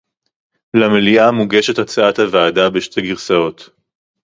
למליאה מוגשת הצעת הוועדה בשתי גרסאות